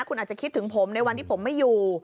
คุณอาจจะคิดถึงผมในวันที่ผมไม่อยู่